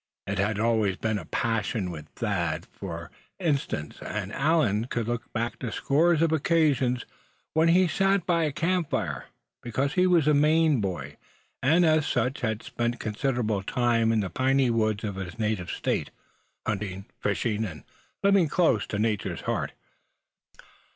It had always been a passion with Thad, for instance; and Allan could look back to scores of occasions when he sat by a camp fire; because he was a Maine boy, and as such had spent considerable time in the piney woods of his native State, hunting, fishing, and living close to Nature's heart.